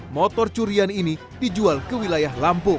motor curian ini dijual ke wilayah lampung